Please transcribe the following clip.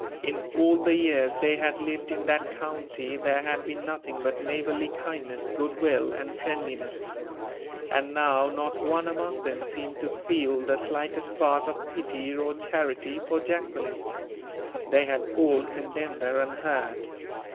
In all the years they had lived in that county there had been nothing but neighborly kindness, good will, and friendliness; and now, not one among them, seemed to feel the slightest spark of pity or charity for Jacqueline. They had all condemned her unheard.